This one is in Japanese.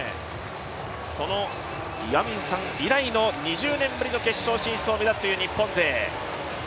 その岩水さん以来の２０年ぶりの決勝進出を目指すという日本勢。